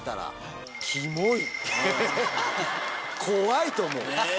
怖いと思う。